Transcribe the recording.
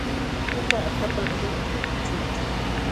Upa akapa ama pinqakuchunchu.